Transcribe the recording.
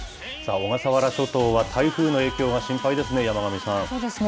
小笠原諸島は、台風の影響が心配ですね。